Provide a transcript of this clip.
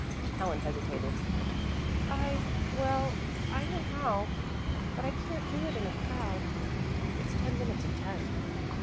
Helen hesitated. "I well I know how, but I can't do it in a crowd. It's ten minutes of ten."